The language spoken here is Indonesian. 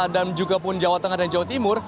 dan juga pun jawa tengah dan jawa timur